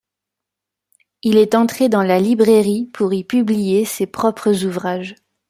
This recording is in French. Il est entré dans la librairie pour y publier ses propres ouvrages.